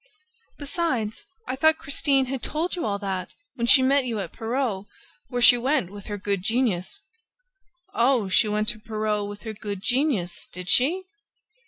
"Besides, I thought Christine had told you all that, when she met you at Perros, where she went with her good genius." "Oh, she went to Perros with her good genius, did she?"